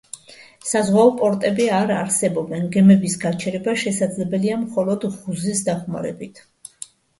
საზღვაო პორტები არ არსებობენ, გემების გაჩერება შესაძლებელია მხოლოდ ღუზის დახმარებით.